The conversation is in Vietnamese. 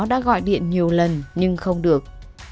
đã gọi điện nhiều lần nhưng không được